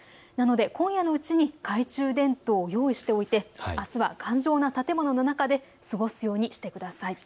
今夜のうちに懐中電灯を用意しておいて、あすは頑丈な建物の中で過ごすようにしてください。